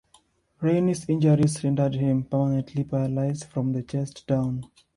Rainey's injuries rendered him permanently paralyzed from the chest down.